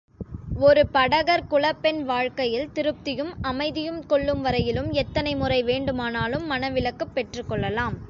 ஒரு படகர் குலப்பெண் வாழ்க்கையில் திருப்தியும், அமைதியும் கொள்ளும் வரையிலும் எத்தனை முறை வேண்டுமானாலும் மணவிலக்குப் பெற்றுக்கொள்ளலாம்.